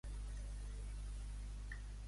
Què creu Bosch que és extraordinari?